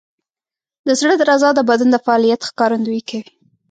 د زړه درزا د بدن د فعالیت ښکارندویي کوي.